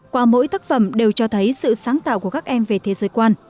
qua mỗi tác phẩm đều cho thấy sự sáng tạo của các em về thế giới quan